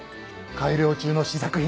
改良中の試作品。